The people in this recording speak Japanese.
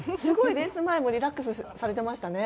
レース前もリラックスされていましたね。